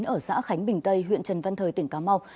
ở xã khánh bình tây huyện trần văn thời tỉnh cà mau